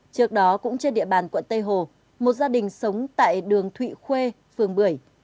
trước đó cũng trên địa bàn quận tây hồ một gia đình sống tại đường thụy khuê phường bưởi